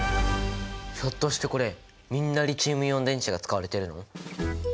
ひょっとしてこれみんなリチウムイオン電池が使われてるの？